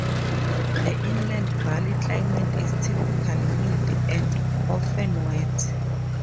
The inland valley climate is typically mild and often wet.